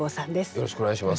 よろしくお願いします。